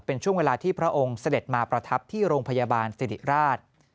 เป็นช่วงเวลาที่พระองค์เสด็จมาประทับที่โรงพยาบาลสิริราช